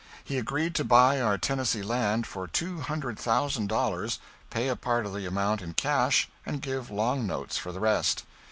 He agreed to buy our Tennessee land for two hundred thousand dollars, pay a part of the amount in cash and give long notes for the rest.